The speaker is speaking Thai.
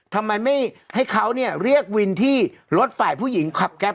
ทำไมไม่ให้เขาเนี่ยเรียกวินที่รถฝ่ายผู้หญิงขับแก๊ป